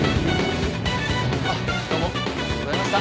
あっどうもありがとうございました。